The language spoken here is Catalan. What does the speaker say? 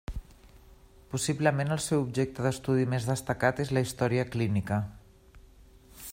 Possiblement el seu objecte d’estudi més destacat és la història clínica.